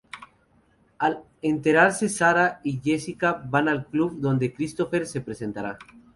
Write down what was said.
Al enterarse, Sara y Jessica van al club donde Christopher se presentará.